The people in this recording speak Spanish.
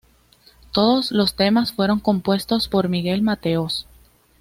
Todos los temas fueron compuestos por Miguel Mateos.